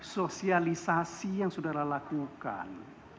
sosialisasi yang saudara lakukan